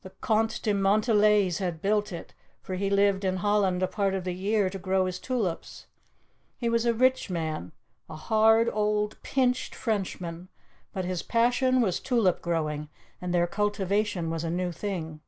The Conte de Montdelys had built it, for he lived in Holland a part of the year to grow his tulips. He was a rich man a hard, old, pinched Frenchman but his passion was tulip growing, and their cultivation was a new thing.